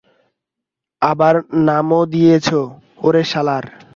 আবার নামও দিয়েছো, ওরে শালার।